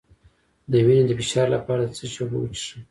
د وینې د فشار لپاره د څه شي اوبه وڅښم؟